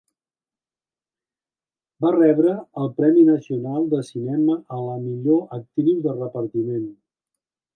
Va rebre el Premi Nacional de Cinema a la millor actriu de repartiment.